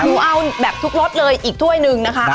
หนูเอาแบบทุกรสเลยอีกถ้วยหนึ่งนะคะ